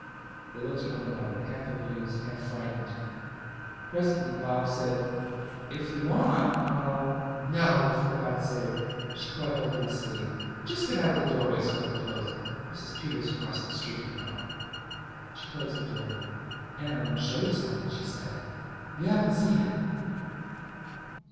They looked at one another, half amused half frightened. Presently Bob said, "If you want, I'll " "No, for God's sake." She caught hold of his sleeve. "Just get out of the doorway so I can close it. Mrs. Peters across the street, you know." She closed the door. "And I want to show you something," she said. "You haven't seen it."